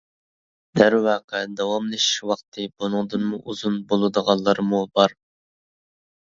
دەرۋەقە داۋاملىشىش ۋاقتى بۇنىڭدىنمۇ ئۇزۇن بولىدىغانلارمۇ بار.